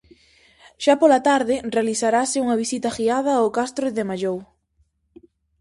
Xa pola tarde, realizarase unha visita guiada ao Castro de Mallou.